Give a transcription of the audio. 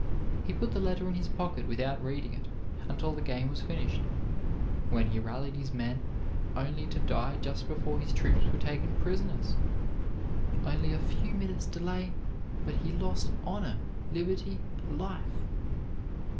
He put the letter in his pocket without reading it until the game was finished, when he rallied his men only to die just before his troops were taken prisoners. Only a few minutes' delay, but he lost honor, liberty, life!